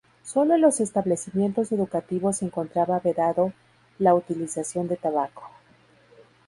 Sólo en los establecimientos educativos se encontraba vedado la utilización de tabaco.